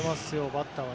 バッターは。